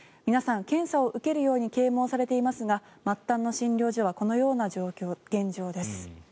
皆さん、検査を受けるように啓もうされていますが末端の診療所はこのような現状です。